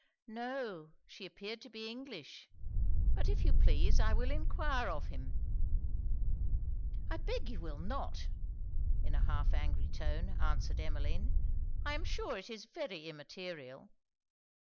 'No, she appeared to be English. But if you please I will enquire of him?' 'I beg you will not,' in an half angry tone, answered Emmeline 'I am sure it is very immaterial.'